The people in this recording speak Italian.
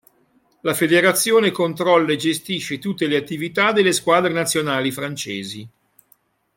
La federazione controlla e gestisce tutte le attività delle squadre nazionali francesi.